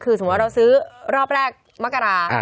คือสมมุติเราซื้อรอบแรกมกรา